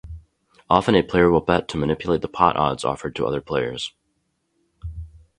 Often a player will bet to manipulate the pot odds offered to other players.